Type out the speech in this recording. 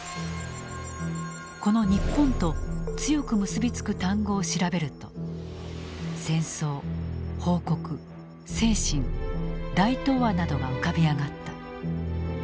この「日本」と強く結び付く単語を調べると「戦争」「報国」「精神」「大東亜」などが浮かび上がった。